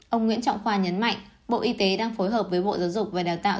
ông nguyễn trọng khoa nhấn mạnh bộ y tế đang phối hợp với bộ giáo dục và đào tạo